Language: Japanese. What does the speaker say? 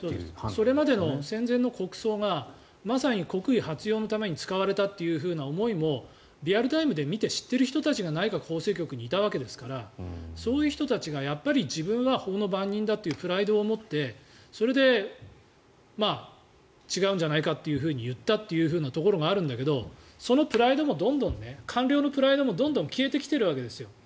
それまでの戦前の国葬がまさに国威発揚のために使われたというふうな思いもリアルタイムで見て知っている人たちが内閣法制局にいたわけですからそういう人たちが自分は法の番人だというプライドを持って違うんじゃないかと言ったというところがあるわけだけどそのプライドもどんどん官僚のプライドもどんどん消えてきているわけです。